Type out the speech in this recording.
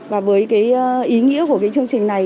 và với ý nghĩa của chương trình này